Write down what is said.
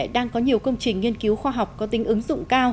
đang có nhiều công trình nghiên cứu khoa học có tính ứng dụng cao